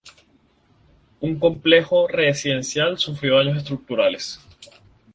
Un complejo residencial sufrió daños estructurales.